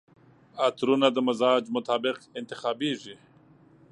عطرونه د مزاج مطابق انتخابیږي.